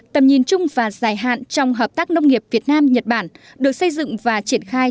tầm nhìn chung và dài hạn trong hợp tác nông nghiệp việt nam nhật bản được xây dựng và triển khai